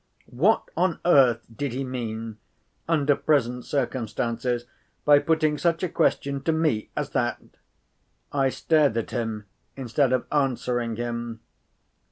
What on earth did he mean, under present circumstances, by putting such a question to me as that? I stared at him, instead of answering him.